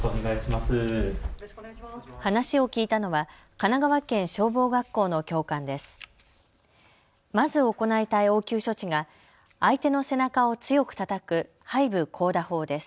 話を聞いたのは神奈川県消防学校の教官です。